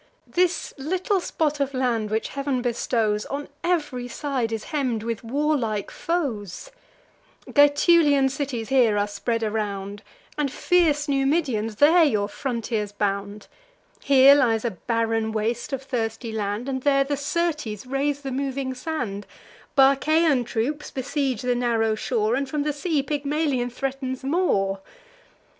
This little spot of land, which Heav'n bestows, On ev'ry side is hemm'd with warlike foes; Gaetulian cities here are spread around, And fierce Numidians there your frontiers bound; Here lies a barren waste of thirsty land, And there the Syrtes raise the moving sand; Barcaean troops besiege the narrow shore, And from the sea Pygmalion threatens more.